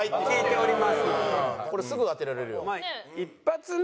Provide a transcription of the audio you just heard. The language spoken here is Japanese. これすぐ当てられるよ。